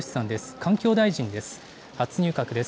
環境大臣です。